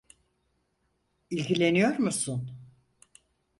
İlgileniyor musun?